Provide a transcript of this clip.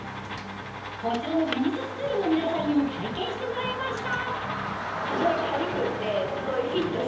こちらのテニススクールの皆さんにも体験してもらいました